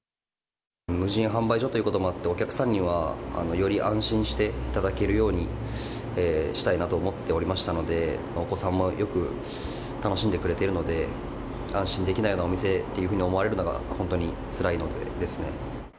無人販売所ということもあって、お客さんにはより安心していただけるようにしたいなと思っておりましたので、お子さんもよく楽しんでくれているので、安心できないお店って思われるのが、本当につらいですね。